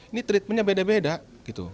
ini treatmentnya beda beda gitu